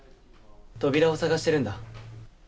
扉を探してるんだ。